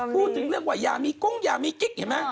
พูดถึงเรื่องว่าอย่ามีกุ้งอย่ามีกิ๊กเห็นไหม